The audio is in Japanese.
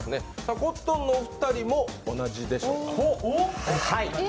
コットンのお二人も同じでしょうか。